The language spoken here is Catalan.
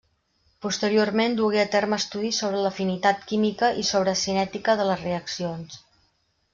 Posteriorment dugué a terme estudis sobre l'afinitat química i sobre cinètica de les reaccions.